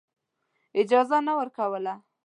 اجازه نه ورکوله.